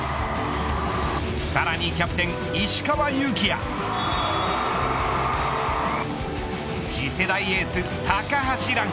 さらにキャプテン石川祐希や次世代エース、高橋藍。